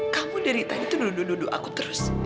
kamu dari tadi tuh duduk duduk aku terus